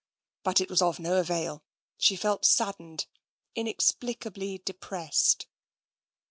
But all was of no avail. She felt sad dened, inexplicably depressed.